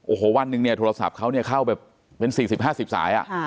โอ้โหวันหนึ่งเนี่ยโทรศัพท์เขาเนี่ยเข้าแบบเป็น๔๐๕๐สาย